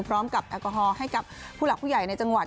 แอลกอฮอล์ให้กับผู้หลักผู้ใหญ่ในจังหวัด